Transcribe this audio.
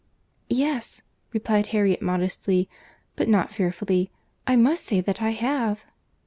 "Yes," replied Harriet modestly, but not fearfully—"I must say that I have."